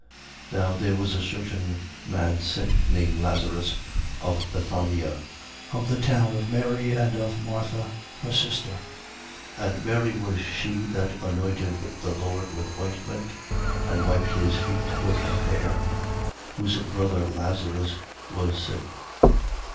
11:1. Now there was a certain man sick, named Lazarus, of Bethania, of the town of Mary and of Martha her sister. 11:2. (And Mary was she that anointed the Lord with ointment and wiped his feet with her hair: whose brother Lazarus was sick.)